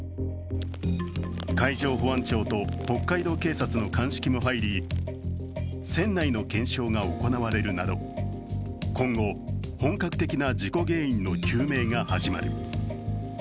海上保安庁と北海道警察の鑑識も入り船内の検証が行われるなど今後、本格的な事故原因の究明が始まる。